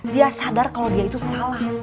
dia sadar kalau dia itu salah